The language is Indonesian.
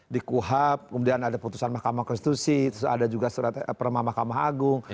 di kuhap kemudian ada putusan mahkamah konstitusi terus ada juga surat perma mahkamah agung